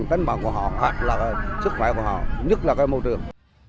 tấn bằng của họ hoặc là sức khỏe của họ nhất là cái môi trường